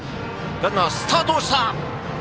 ランナー、スタート！